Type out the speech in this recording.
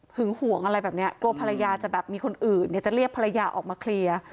ห่วงอะไรแบบนี้กลัวภรรยาจะแบบมีคนอื่นจะเรียกภรรยาออกมาเคลียร์